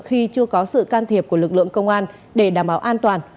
khi chưa có sự can thiệp của lực lượng công an để đảm bảo an toàn